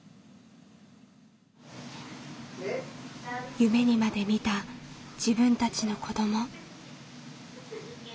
夢にまで見た自分たちの子ども。